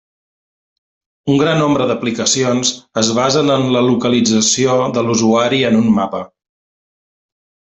Un gran nombre d’aplicacions es basen en la localització de l’usuari en un mapa.